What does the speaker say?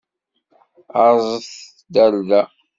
Aẓet-d ar da!